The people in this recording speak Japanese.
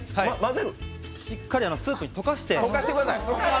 しっかりスープに溶かして。